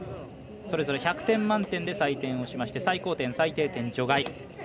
それぞれ１００点満点で採点しまして最高点、最低点除外。